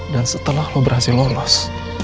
dan setelah lo berhasil lolos